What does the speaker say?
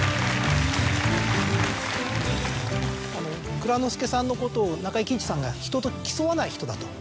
蔵之介さんのことを中井貴一さんが「人と競わない人だ」と。